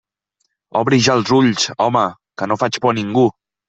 Obri ja els ulls, home, que no faig por a ningú!